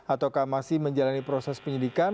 ataukah masih menjalani proses penyidikan